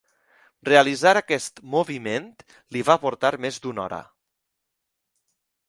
Realitzar aquest moviment li va portar més d'una hora.